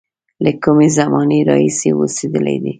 له کومې زمانې راهیسې اوسېدلی دی.